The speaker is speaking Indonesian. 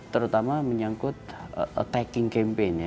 terutama menyangkut attacking campaign